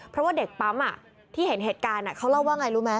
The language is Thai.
เพราะว่าเด็กปั๊มที่เห็นเหตุการณ์เขาเล่าว่าไงรู้ไหม